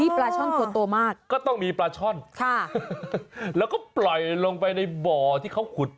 ปลาช่อนสวดโตมากค่ะค่ะแล้วก็ปล่อยลงไปในบ่อที่เขาขุด